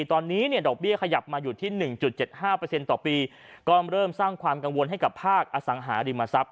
ตอนนี้เนี่ยดอกเบี้ยขยับมาอยู่ที่๑๗๕ต่อปีก็เริ่มสร้างความกังวลให้กับภาคอสังหาริมทรัพย